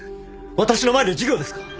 私の前で授業ですか！